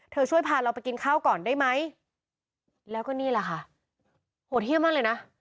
ช่วยพาเราไปกินข้าวก่อนได้ไหมแล้วก็นี่แหละค่ะโหดเยี่ยมมากเลยนะ